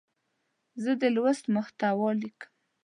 زه د لوست محتوا لیکم.